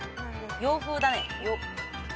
洋風だね。